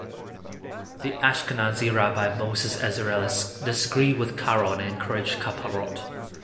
The Ashkenazi rabbi Moses Isserles disagreed with Karo and encouraged kapparot.